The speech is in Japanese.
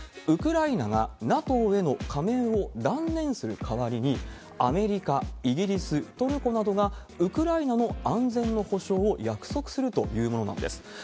ウクライナがＮＡＴＯへの加盟を断念する代わりに、アメリカ、イギリス、トルコなどがウクライナの安全の保障を約束するというものなんです。